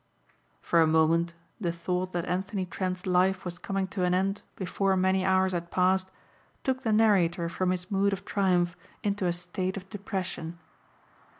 For a moment the thought that Anthony Trent's life was coming to an end before many hours had passed took the narrator from his mood of triumph into a state of depression.